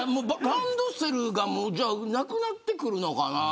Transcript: ランドセルがなくなってくるのかな。